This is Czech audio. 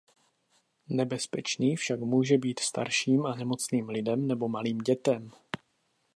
Nebezpečný však může být starším a nemocným lidem nebo malým dětem.